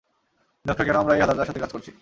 Doctor, কেন আমরা এই হাঁদাটার সাথে কাজ করছি?